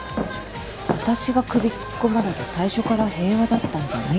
私が首突っ込まなきゃ最初から平和だったんじゃない？